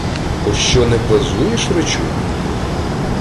— Пощо не плазуєш, речу?